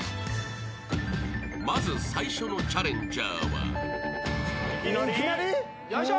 ［まず最初のチャレンジャーは］よいしょ。